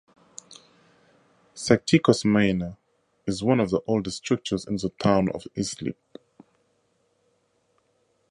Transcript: Sagtikos Manor is one of the oldest structures in the Town of Islip.